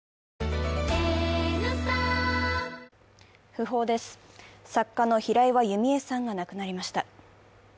訃報です、作家の平岩弓枝さんが亡くなりました。